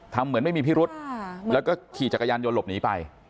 เหมือนไม่มีพิรุธแล้วก็ขี่จักรยานยนต์หลบหนีไป